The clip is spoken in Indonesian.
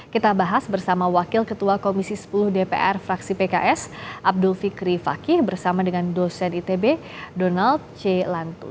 kita bahas bersama wakil ketua komisi sepuluh dpr fraksi pks abdul fikri fakih bersama dengan dosen itb donald c lantu